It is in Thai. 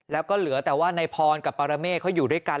แล้วก็เหลือแต่ว่านายพรกับปรเมฆเขาอยู่ด้วยกัน